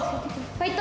・ファイト。